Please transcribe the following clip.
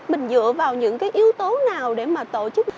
mình dựa vào những cái yếu tố nào để mà tổ chức